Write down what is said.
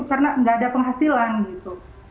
karena nggak ada penghasilan gitu